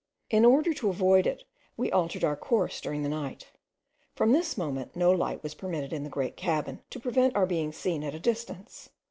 In order to avoid it we altered our course during the night. From this moment no light was permitted in the great cabin, to prevent our being seen at a distance.